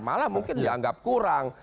malah mungkin dianggap kurang